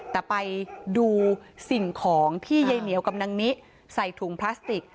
แต่ไปดูสิ่งของที่ยายเหมียวกับนางนิใส่ถุงพลาสติก